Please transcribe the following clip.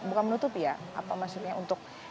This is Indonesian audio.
bukan menutupi ya apa maksudnya untuk